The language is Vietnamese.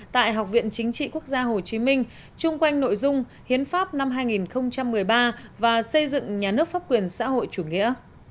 tại học viện chính trị quốc gia hồ chí minh chung quanh nội dung hiến pháp năm hai nghìn một mươi ba và xây dựng nhà nước pháp quyền xã hội chủ nghĩa